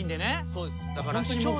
そうです。